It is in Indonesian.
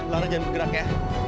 lara jangan bergerak ya